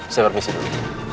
saya permisi dulu